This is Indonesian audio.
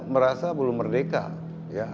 merasa belum merdeka ya